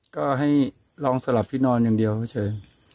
ก็ให้ลองสลับที่นอนอย่างเดียวเฉย